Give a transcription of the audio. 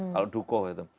kalau dukuh gitu